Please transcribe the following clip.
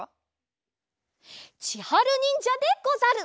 ちはるにんじゃでござる。